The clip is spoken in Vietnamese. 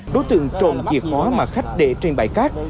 đối tượng trộm chiếc hóa mà khách để trên bãi cát